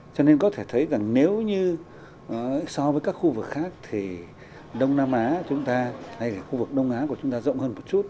cho nên có thể thấy rằng nếu như so với các khu vực khác thì đông nam á chúng ta hay là khu vực đông á của chúng ta rộng hơn một chút